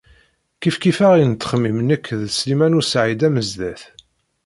Kifkif-aɣ i nettxemmim nekk d Sliman u Saɛid Amezdat.